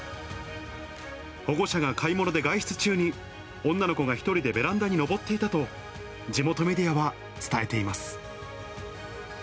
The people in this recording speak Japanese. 保護者が買い物で外出中に、女の子が１人でベランダに登っていたと地元メディアは伝えています。